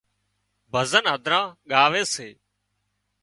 ڀزن هڌران ڳاوي سي